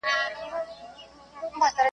له هغه وخته چي ما پېژندی .